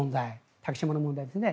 竹島の問題ですね。